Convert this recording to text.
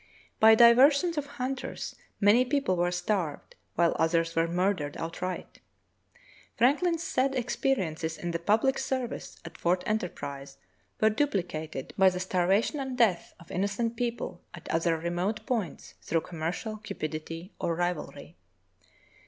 By diversions of hunters many people were starved, while others were murdered outright. Franklin's sad experiences in the public ser vice at Fort Enterprise were duplicated by the star vation and deaths of innocent people at other remote points through commercial cupidity or rivalry.